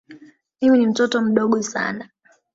Mimi ni mtoto mdogo sana.